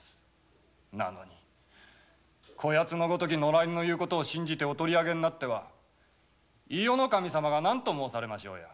なのにこヤツのような野良犬の言うことを信じてお取り上げになっては伊予守様が何と申されましょうか？